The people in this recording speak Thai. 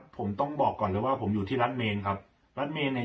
ผมต้องบอกก่อนเลยว่าผมอยู่ที่รัฐเมนครับรัฐเมนเนี่ย